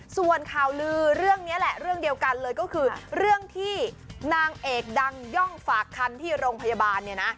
ส่วนข่าวลือเรื่องนี้แหละเรื่องเดียวกันเลยก็คือเรื่องที่นางเอกดังย่องฝากคันที่โรงพยาบาลเนี่ยนะ